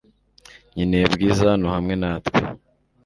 Nkeneye Bwiza hano hamwe natwe .